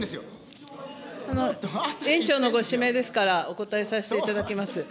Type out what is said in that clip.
委員長のご指名ですから、お答えさせていただきます。